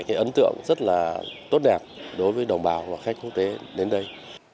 cái ấn tượng rất là tốt đẹp đối với đồng bào và khách quốc tế đến đây